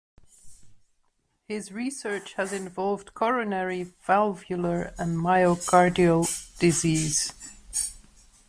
His research has involved coronary, valvular and myocardial disease.